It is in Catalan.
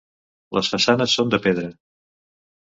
Les façanes són de pedra.